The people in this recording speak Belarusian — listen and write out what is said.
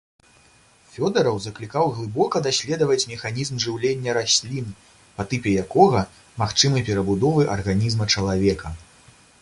Фёдараў заклікаў глыбока даследаваць механізм жыўлення раслін, па тыпе якога магчымы перабудовы арганізма чалавека.